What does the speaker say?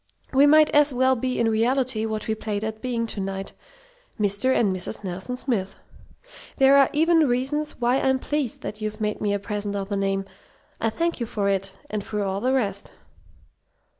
We might as well be in reality what we played at being to night 'Mr. and Mrs. Nelson Smith.' There are even reasons why I'm pleased that you've made me a present of the name. I thank you for it and for all the rest."